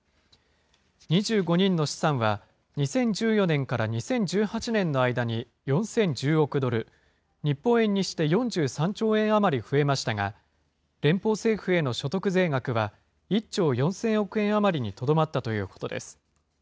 ２５人の資産は、２０１４年から２０１８年の間に４０１０億ドル、日本円にして４３兆円余り増えましたが、連邦政府への所得税額は、１兆４０００億円余りにとどまったということです。